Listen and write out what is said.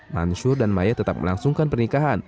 mansur dan maya tetap melangsungkan pernikahan